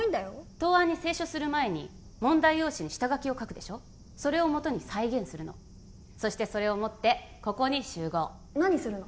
答案に清書する前に問題用紙に下書きを書くでしょそれをもとに再現するのそしてそれを持ってここに集合何するの？